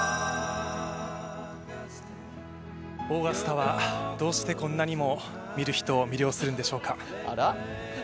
オーガスタはどうしてこんなにも見る人を魅了するんでしょうか。